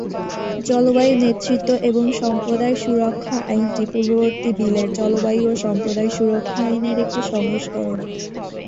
জলবায়ু নেতৃত্ব এবং সম্প্রদায় সুরক্ষা আইনটি পূর্ববর্তী বিলের জলবায়ু ও সম্প্রদায় সুরক্ষা আইনের একটি সংস্করণ।